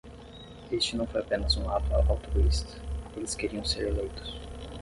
Este não foi apenas um ato altruísta, eles queriam ser eleitos.